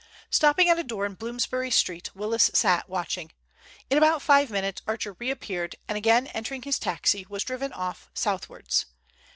Stopping at a door in Bloomsbury Street, Willis sat watching. In about five minutes Archer reappeared, and again entering his taxi, was driven off southwards.